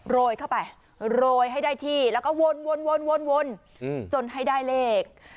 โรยเข้าไปโรยให้ได้ที่แล้วก็วนจนให้ได้เลข